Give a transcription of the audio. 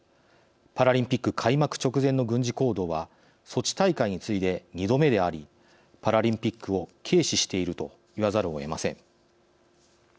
パラリンピック開幕直前の軍事行動はソチ大会に次いで２度目でありパラリンピックを軽視していると言わざるをえません。